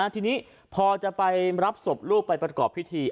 ทีนี้พอจะไปรับศพลูกไปประกอบพิธี